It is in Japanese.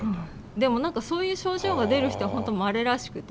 でもそういう症状が出る人は本当まれらしくて。